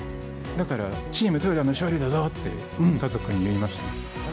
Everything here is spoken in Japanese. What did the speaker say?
だから、チームとよ田の勝利だぞって、家族に言いました。